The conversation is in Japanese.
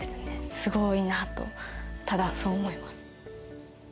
すごいなとただそう思います。